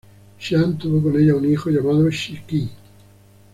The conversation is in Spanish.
Xian tuvo con ella un hijo llamado Xi Qi.